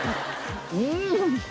うん！